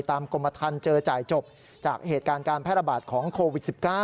กรมทันเจอจ่ายจบจากเหตุการณ์การแพร่ระบาดของโควิด๑๙